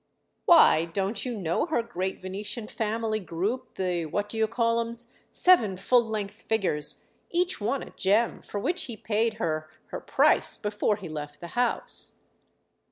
"Why, don't you know her great Venetian family group, the What do you call 'ems?—seven full length figures, each one a gem, for which he paid her her price before he left the house."